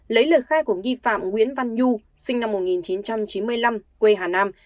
lấy lời khai của nghi phạm nguyễn văn nhu sinh năm một nghìn chín trăm chín mươi năm quê hà nam